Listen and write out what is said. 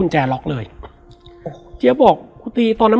แล้วสักครั้งหนึ่งเขารู้สึกอึดอัดที่หน้าอก